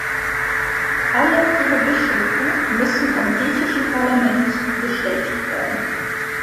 Alle ihre Bischöfe müssen vom griechischen Parlament bestätigt werden.